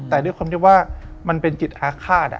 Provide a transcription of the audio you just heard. แต่ด้วยความที่ว่ามันเป็นจิตอาฆาต